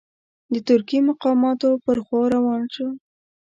د ترکي مقاماتو پر خوا روان شو.